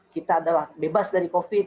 kita adalah bebas dari covid